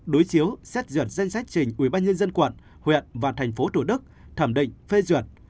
đối chiếu xét duyệt danh sách trình ủy ban nhân dân quận huyện và thành phố thủ đức thẩm định phê duyệt